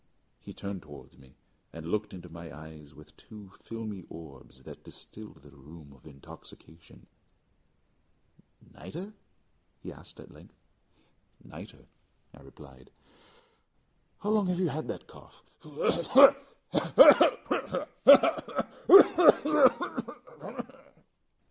He turned towards me, and looked into my eyes with two filmy orbs that distilled the rheum of intoxication. "Nitre?" he asked, at length. "Nitre," I replied. "How long have you had that cough?" "Ugh! ugh! ugh! ugh! ugh! ugh! ugh! ugh!